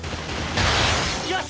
よし！